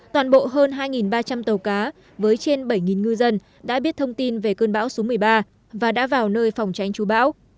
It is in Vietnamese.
toàn bộ hơn hai ba trăm linh tàu cá với trên bảy ngư dân đã biết thông tin về cơn bão số một mươi ba và đã vào nơi phòng tránh chú bão